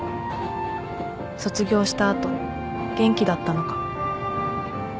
卒業した後元気だったのか